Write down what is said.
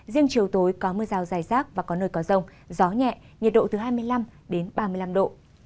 riêng chiều tối có mưa rào dài rác và có nơi có rông gió nhẹ nhiệt độ từ hai mươi năm đến ba mươi năm độ